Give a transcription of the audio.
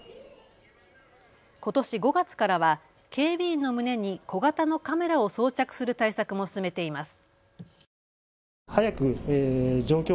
ことし５月からは警備員の胸に小型のカメラを装着する対策も進めています。